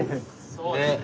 そうですね。